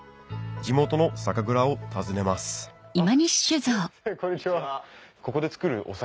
地元の酒蔵を訪ねますあっすいませんこんにちは。